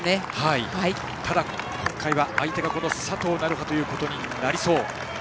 ただ今回は相手が佐藤成葉となりそう。